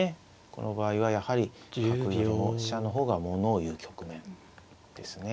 この場合はやはり角よりも飛車の方がものをいう局面ですね。